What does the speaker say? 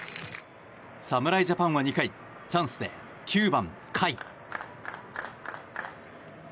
侍ジャパンは２回チャンスで９番、甲斐。